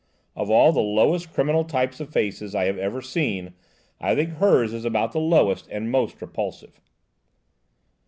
Of all the lowest criminal types of faces I have ever seen, I think hers is about the lowest and most repulsive."